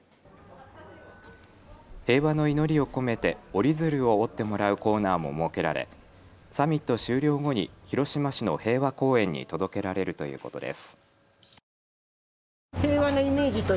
平和の祈りを込めて折り鶴を折ってもらうコーナーも設けられサミット終了後に広島市の平和公園に届けられるということです。